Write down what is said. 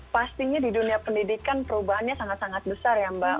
pastinya di dunia pendidikan perubahannya sangat sangat besar ya mbak